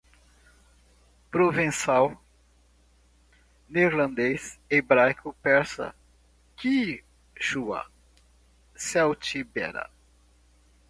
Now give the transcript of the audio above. provençal, neerlandês, hebraico, persa, quíchua, celtibera